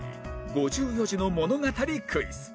５４字の物語クイズ